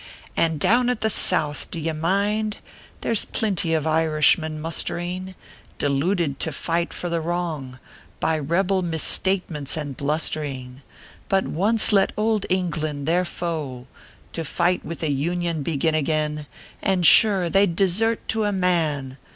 " And down at the South, do ye mind, There s plinty of Irishmen mustering, Deluded to fight for the wrong By rebel mis statements and blustering ; But once let ould England, their foe, To fight with the Union begin again, And sure, they d desert to a man!"